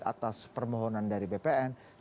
atas permohonan dari bpn